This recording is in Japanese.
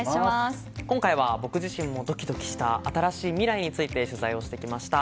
今回は、僕自身もドキドキした新しい未来について取材してきました。